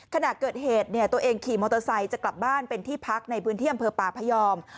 ขณะเกิดเหตุเนี่ยตัวเองขี่มอเตอร์ไซค์จะกลับบ้านเป็นที่พักในพื้นที่อำเภอป่าพยอม